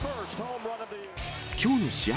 きょうの試合